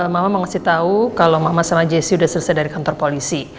mama mau kasih tau kalau mama sama jessy udah selesai dari kantor polisi